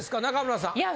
中村さん。